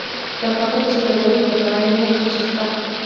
د کابل په شکردره کې د ګرانیټ نښې شته.